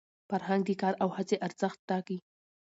فرهنګ د کار او هڅي ارزښت ټاکي.